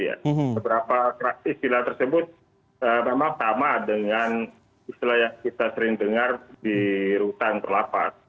beberapa istilah tersebut memang sama dengan istilah yang kita sering dengar di rutan terlapas